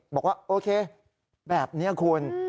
บอกว่าโอเคแบบนี้คุณ